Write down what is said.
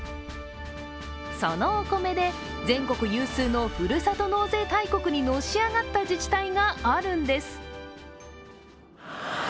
そのお米で全国有数のふるさと納税大国にのし上がった自治体があるんです。